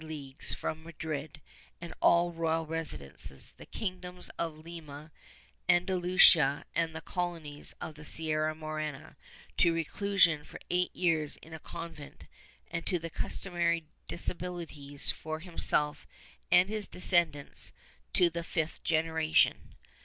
PABLO OLAVIDE 31 j leagues from Madrid and all royal residences, the kingdoms of Lima, Andalusia and the colonies of the Sierra Morena, to reclusion for eight years in a convent and to the customary disabilities for himself and his descendants to the fifth generation.